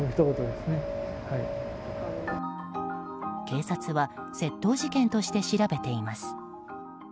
警察は窃盗事件として調べています。